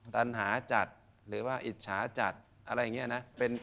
ตันหาจัดหรือว่าอิจฉาจัดอะไรอย่างนี้นะ